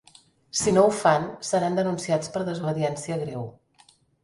Si no ho fan, seran denunciats per ‘desobediència greu’.